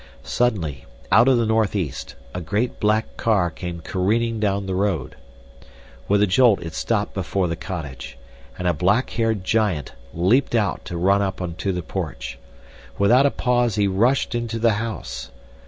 Suddenly, out of the northeast, a great black car came careening down the road. With a jolt it stopped before the cottage, and a black haired giant leaped out to run up onto the porch. Without a pause he rushed into the house.